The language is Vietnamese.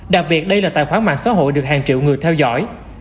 đặc biệt đây là tài khoản mạng xã hội được hàng triệu người theo dõi